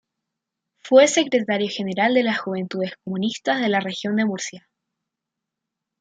Fue secretario general de las Juventudes Comunistas de la Región de Murcia.